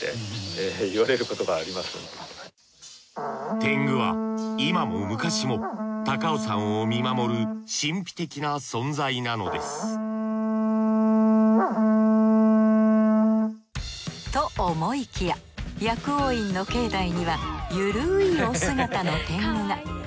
天狗は今も昔も高尾山を見守る神秘的な存在なのですと思いきや薬王院の境内にはゆるいお姿の天狗が。